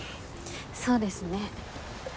そうですね。